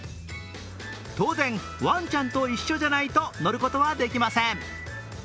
当然、ワンちゃんと一緒じゃないと乗ることはできません。